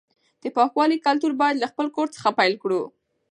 د پاکوالي کلتور باید له خپل کور څخه پیل کړو.